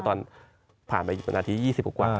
ตอนผ่านไปนาที๒๐กว่า